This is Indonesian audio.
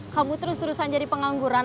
kamu terus terusan jadi pengangguran